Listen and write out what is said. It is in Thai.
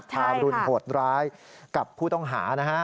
ทารุณโหดร้ายกับผู้ต้องหานะฮะ